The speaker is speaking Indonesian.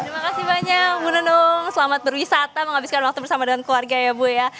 terima kasih banyak bu nenung selamat berwisata menghabiskan waktu bersama dengan keluarga ya bu ya